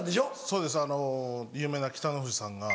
そうです有名な北の富士さんが。